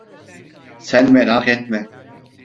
Sen merak etme.